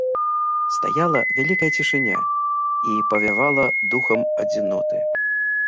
Стаяла вялікая цішыня, і павявала духам адзіноты.